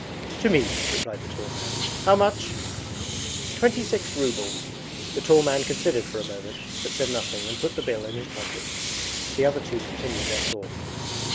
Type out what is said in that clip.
'To me,' replied the tall man. 'How much?' 'Twenty six rubles.' The tall man considered for a moment, but said nothing and put the bill in his pocket. The other two continued their talk.